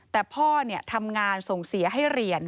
แต่พ่อทำงานส่งเสียให้เรียน